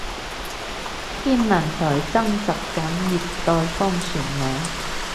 天文台徵集緊熱帶風旋名